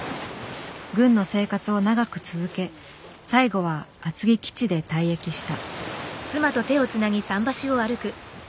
軍の生活を長く続け最後は厚木基地で退役した。